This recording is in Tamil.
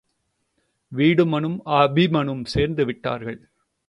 வீடுமனும் அபிமனும் சேர்ந்து விட்டார்கள்.